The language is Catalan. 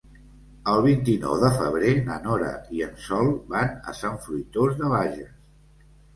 El vint-i-nou de febrer na Nora i en Sol van a Sant Fruitós de Bages.